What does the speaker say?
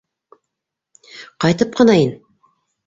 Ҡайтып ҡына ин!